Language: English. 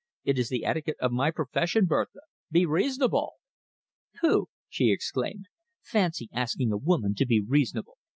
It is the etiquette of my profession, Bertha. Be reasonable." "Pooh!" she exclaimed. "Fancy asking a woman to be reasonable!